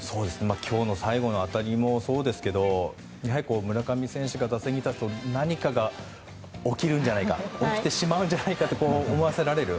今日の最後の当たりもそうですけどやはり村上選手が打席に立つと何かが起きるんじゃないか起きてしまうんじゃないかと思わせられる。